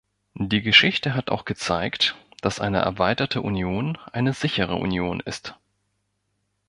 Die Geschichte hat auch gezeigt, dass eine erweiterte Union eine sicherere Union ist.